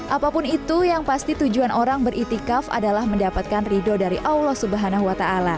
apapun itu yang pasti tujuan orang beriktikaf adalah mendapatkan ridho dari allah swt